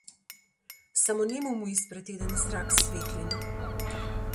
Само нему му испрати еден зрак светлина.